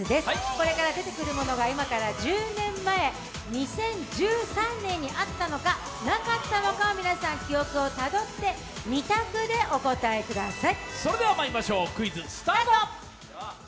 これから出てくるものが今から１０年前、２０１３年にあったのかなかったのか皆さん記憶をたどって二択でお答えください。